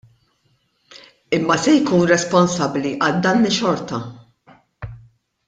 Imma se jkun responsabbli għad-danni xorta.